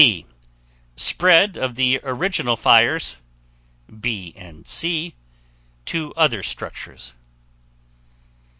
D. Spread of the original fires (B and C) to other structures.